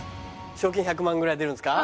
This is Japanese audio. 賞金１００万ぐらい出るんですか？